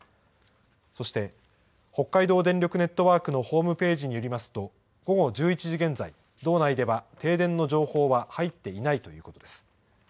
そして、北海道電力ネットワークのホームページによりますと、午後１１時現在、道内では停電の情報は入っていないということです。